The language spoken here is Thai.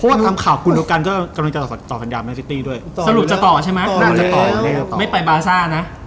เพราะว่าทำข่าวคุณดูกันก็กำลังจะต่อสัญญาแมนซิตี้ด้วยสรุปจะต่อใช่ไหมน่าจะต่อไม่ไปบาซ่านะ